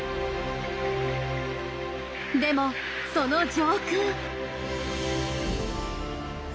でもその上空。